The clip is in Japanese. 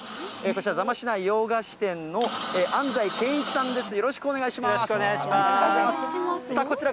こちら、、座間市内洋菓子店の安西賢一さんです。